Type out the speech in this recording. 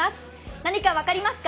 何か分かりますか？